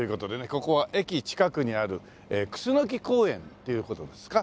ここは駅近くにあるくすのき公園っていう事ですか。